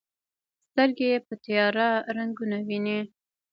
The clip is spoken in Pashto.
سترګې په تیاره رنګونه ویني.